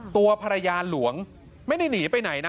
ตัวภรรยาหลวงไม่ได้หนีไปไหนนะ